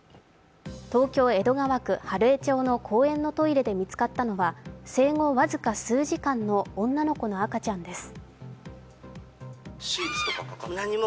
東京・江戸川区春江町の公園のトイレで見つかったのは生後僅か数時間の女の子の赤ちゃんです。